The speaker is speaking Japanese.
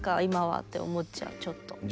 今はって思っちゃうちょっと。